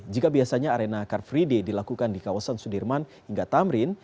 jika biasanya arena car free day dilakukan di kawasan sudirman hingga tamrin